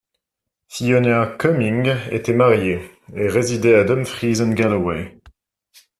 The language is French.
Fiona Cumming était marié et résidait à Dumfries and Galloway.